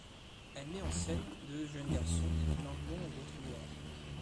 Elle met en scène deux jeunes garçons, l'un blond et l'autre noir.